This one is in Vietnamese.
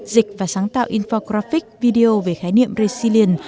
dịch và sáng tạo infographic video về khái niệm resilient